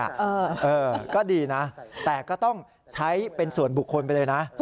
เออก็ดีนะแต่ก็ต้องใช้เป็นส่วนบุคคลไปเลยนะ